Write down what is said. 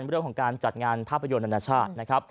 แล้วเรื่องของการจัดงานภาพยนต์คนต์แอนาชาติ